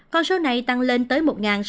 con số này tăng lên tới